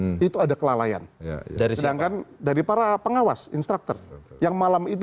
juga kasus ini itu ada kelalaian dari sedangkan dari para pengawas instructor yang malam itu